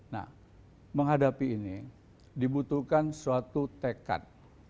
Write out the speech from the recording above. nah menghadapi ini dibutuhkan suatu tekad